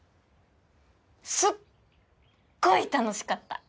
すっごい楽しかった！